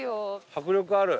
迫力ある！